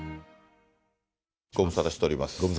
ご無沙汰してます。